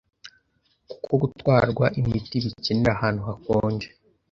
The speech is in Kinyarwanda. kuko gutwarwa imiti bicyenera ahantu hakonje